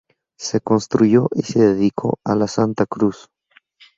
Se construyó y se dedicó a la Santa Cruz.